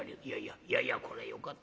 いやいやこれよかった。